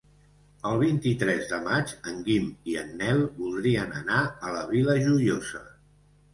El vint-i-tres de maig en Guim i en Nel voldrien anar a la Vila Joiosa.